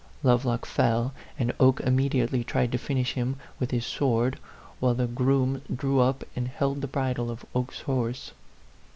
Lovelock fell, and Oke immediately tried to finish him with his sword, while the groom drew up and held the bridle of Oke's horse.